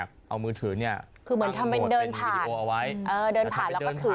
คือเหมือนทำเป็นเดินผ่านเอาไว้เออเดินผ่านแล้วก็ขือไว้